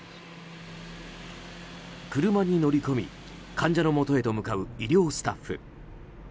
車に乗り込み、患者のもとへと向かう医療スタッフ。